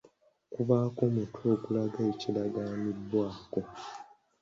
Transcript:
Kubaako omutwe ogulaga ekiragaanibwako.